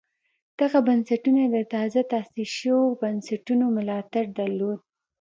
دغه بنسټونه د تازه تاسیس شویو بنسټونو ملاتړ درلود